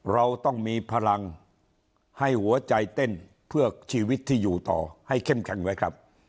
เราต้องมีพลังให้หัวใจเต้นเพื่อชีวิตที่อยู่ต่อให้เข้มแข็งไว้ครับ